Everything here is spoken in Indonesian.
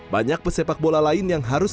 banyak pesepak bola lain yang harus